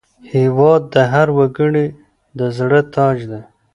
هېواد د هر وګړي د زړه تاج دی.